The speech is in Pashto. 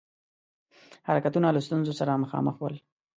حرکتونه له ستونزو سره مخامخ ول.